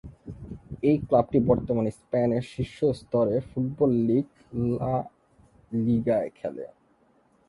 এই ক্লাবটি বর্তমানে স্পেনের শীর্ষ স্তরের ফুটবল লীগ লা লিগায় খেলে।